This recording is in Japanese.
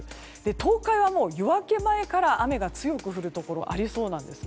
東海は夜明け前から雨が強く降るところがありそうなんです。